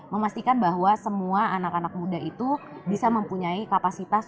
memastikan bahwa semua anak anak muda itu bisa mempunyai kapasitas